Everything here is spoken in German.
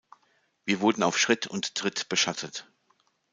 Wir wurden auf Schritt und Tritt beschattet.